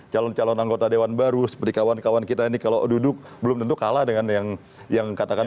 calon calon anggota dewan baru seperti kawan kawan kita ini kalau duduk belum tentu kalah dengan yang katakan